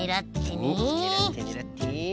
ねらってねらって。